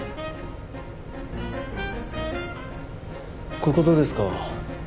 ここどうですか？